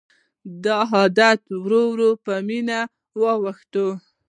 دا عادت ورو ورو په مینه واوښت.